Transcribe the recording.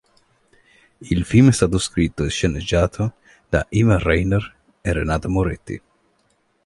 Il film è stato scritto e sceneggiato da Ivan Reiner e Renato Moretti.